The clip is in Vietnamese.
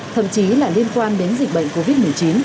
thậm chí là liên quan đến dịch bệnh covid một mươi chín